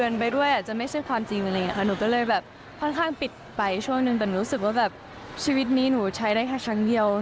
น้าคะก็เป็นวัน